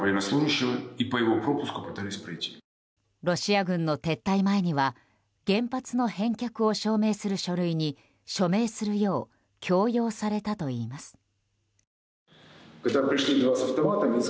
ロシア軍の撤退前には原発の返却を証明する書類に署名するよう強要されたといいます。